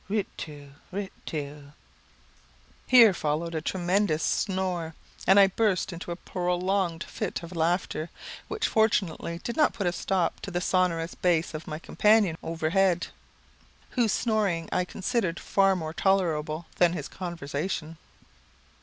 Ri tu ri tu." Here followed a tremendous snore, and I burst into a prolonged fit of laughter, which fortunately did not put a stop to the sonorous bass of my companion overhead, whose snoring I considered far more tolerable than his conversation.